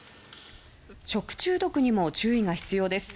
食中毒にも注意が必要です。